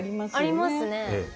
ありますね。